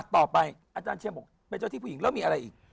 อาจารย์เชียงบอกเป็นเจ้าที่ผู้หญิงแล้วมีอะไรอีก